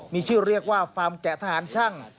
มีชื่อเรียกว่าฟาร์มแกะทหารช่าง